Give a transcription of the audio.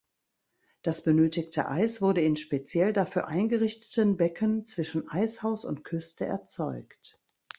Das benötigte Eis wurde in speziell dafür eingerichteten Becken zwischen Eishaus und Küste erzeugt.